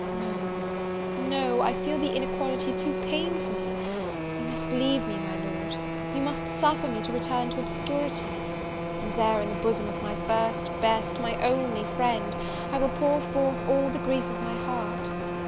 No, no, I feel the inequality too painfully; you must leave me, my Lord; you must suffer me to return to obscurity; and there, in the bosom of my first, best, my only friend, I will pour forth all the grief of my heart!